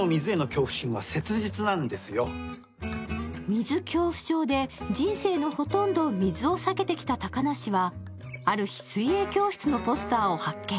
水恐怖症で人生のほとんどを水を避けてきた小鳥遊はある日、水泳教室のポスターを発見